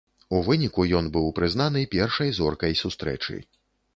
У выніку ён быў прызнаны першай зоркай сустрэчы.